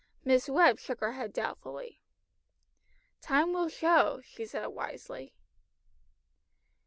Miss Webb shook her head doubtfully. "Time will show," she said wisely.